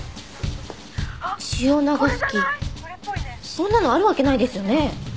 そんなのあるわけないですよね？